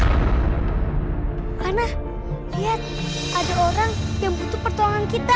karena lihat ada orang yang butuh pertolongan kita